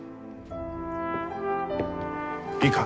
いいか？